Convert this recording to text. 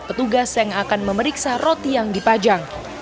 petugas yang akan memeriksa roti yang dipajang